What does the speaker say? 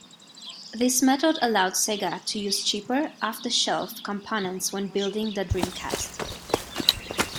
This method allowed Sega to use cheaper off-the-shelf components when building the Dreamcast.